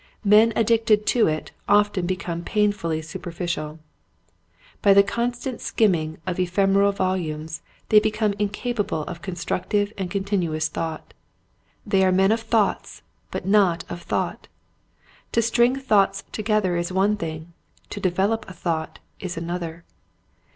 Men addicted to it often become painfully superficial. By the con stant skimming of ephemeral volumes they become incapable of constructive and continuous thought. They are men of thoughts but not of thought. To string thoughts together is one thing, to develop a thought is another.